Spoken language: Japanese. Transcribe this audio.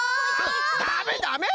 ダメダメ！